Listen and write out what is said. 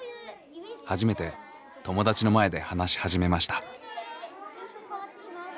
初めて友達の前で話し始めました。